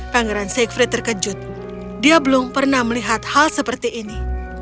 pangeran sievrid terkejut dia belum pernah melihat hal seperti ini